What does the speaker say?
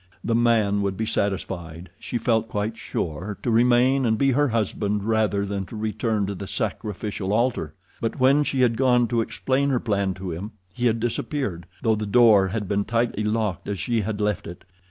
The man would be satisfied, she felt quite sure, to remain and be her husband rather than to return to the sacrificial altar. But when she had gone to explain her plan to him he had disappeared, though the door had been tightly locked as she had left it.